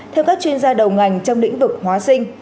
theo các chuyên gia đầu ngành trong lĩnh vực hóa sinh